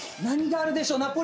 何があるでしょう。